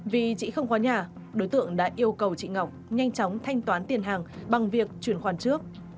vì chị không có nhà đối tượng đã yêu cầu chị ngọc nhanh chóng thanh toán tiền hàng bằng việc chuyển khoản trước